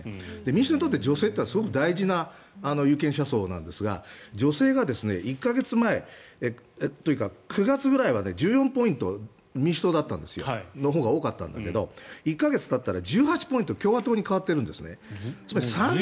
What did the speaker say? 民主党にとって女性はすごく大事な有権者層なんですが女性が１か月前というか９月くらいは１４ポイント、民主党のほうが多かったんだけど１か月たったら１８ポイント共和党に変わってるんですね。